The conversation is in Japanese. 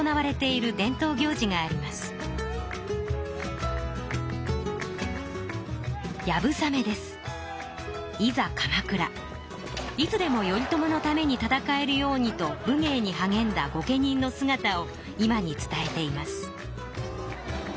いつでも頼朝のために戦えるようにと武芸にはげんだ御家人のすがたを今に伝えています。